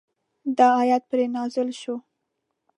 دا آیت پرې نازل شو.